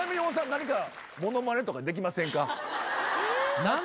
何かものまねとかできませんか？